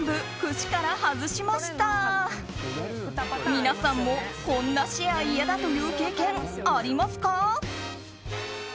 皆さんもこんなシェア嫌だという経験ありますか？